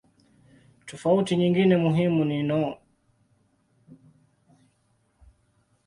Tofauti nyingine muhimu ni no.